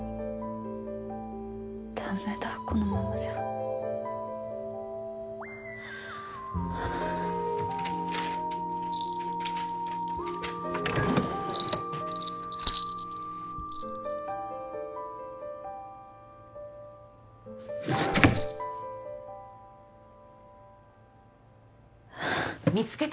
ダメだこのままじゃ見つけた？